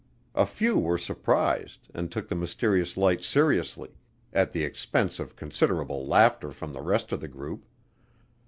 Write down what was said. A few were surprised and took the mysterious light seriously, at the expense of considerable laughter from the rest of the group.